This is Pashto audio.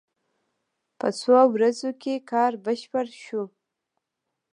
په څو ورځو کې کار بشپړ شو.